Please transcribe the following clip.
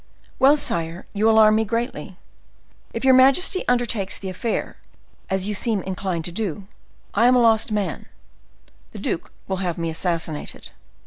"Well, sire, you alarm me greatly. If your majesty undertakes the affair, as you seem inclined to do, I am a lost man; the duke will have me assassinated."